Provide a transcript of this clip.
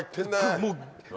もう。